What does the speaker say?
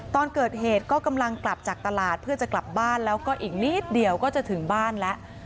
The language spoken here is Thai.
ตอนเกิดเหตุก็กำลังกลับจากตลาดเพื่อจะกลับบ้านแล้วก็อีกนิดเดียวก็จะถึงบ้านแล้ว